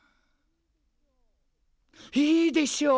いいでしょう！